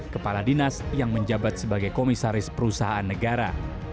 kepala dinas yang menjabat sebagai komisaris perusahaan negara